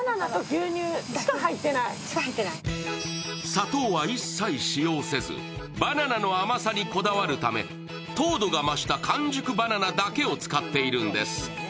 砂糖は一切使用せず、バナナの甘さだけにこだわるため糖度が増した完熟バナナだけを使っているんです。